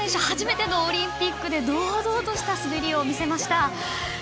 初めてのオリンピックで堂々とした滑りを見せました。